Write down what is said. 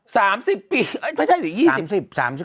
สามสิบปีหรือ๒๐